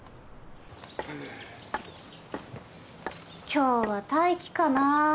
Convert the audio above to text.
今日は待機かな。